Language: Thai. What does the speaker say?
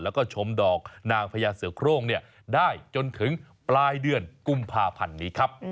แล้วก็ชมดอกนางพญาเสือโครงได้จนถึงปลายเดือนกุมภาพันธ์นี้ครับ